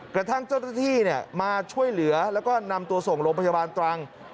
กระทั่งเจ้าหน้าที่มาช่วยเหลือแล้วก็นำตัวส่งโรงพยาบาลตรัง